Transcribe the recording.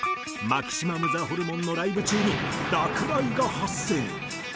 マキシマムザホルモンのライブ中に落雷が発生。